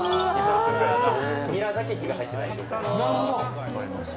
ニラだけ火が入ってないです。